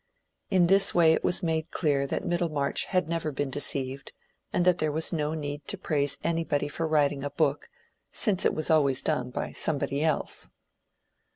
In this way it was made clear that Middlemarch had never been deceived, and that there was no need to praise anybody for writing a book, since it was always done by somebody else.